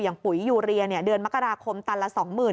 อย่างปุ๋ยอยู่เรียนเดือนมกราคมตันละ๒๑๐๐๐